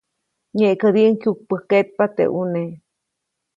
Nyeʼkädiʼuŋ kyukpäjkkeʼtpa teʼ ʼuneʼ.